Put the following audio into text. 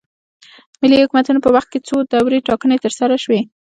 ملکي حکومتونو په وخت کې څو دورې ټاکنې ترسره شوې.